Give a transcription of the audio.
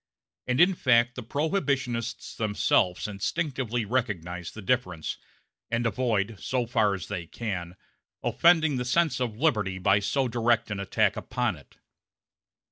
And in fact the prohibitionists themselves instinctively recognize the difference, and avoid, so far as they can, offending the sense of liberty by so direct an attack upon it.